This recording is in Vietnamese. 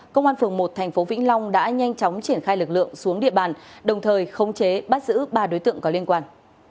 công an phường một tp vĩnh long đã nhanh chóng triển khai lực lượng xuống địa bàn đồng thời khống chế bắt giữ ba đối tượng có liên quan